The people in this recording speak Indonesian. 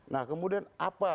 nah kemudian apa